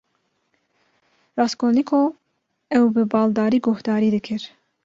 Raskolnîkov ew bi baldarî guhdarî dikir.